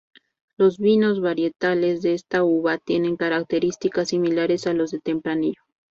Los vinos varietales de esta uva tienen características similares a los de tempranillo.